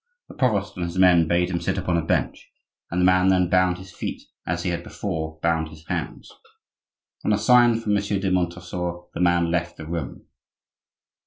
The provost and his men bade him sit upon a bench, and the man then bound his feet as he had before bound his hands. On a sign from Monsieur de Montresor the man left the room.